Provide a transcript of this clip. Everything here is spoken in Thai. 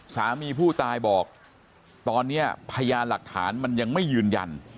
สามีผู้ตายบอกตอนนี้พยานหลักฐานมันยังไม่ยืนยัน